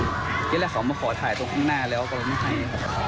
ที่แรกเขามาขอถ่ายตรงข้างหน้าแล้วก็เลยไม่ให้ครับ